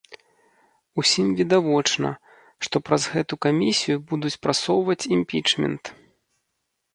Усім відавочна, што праз гэту камісію будуць прасоўваць імпічмент.